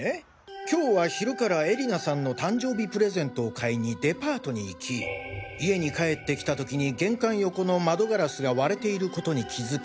今日は昼から絵里菜さんの誕生日プレゼントを買いにデパートに行き家に帰ってきた時に玄関横の窓ガラスが割れていることに気付き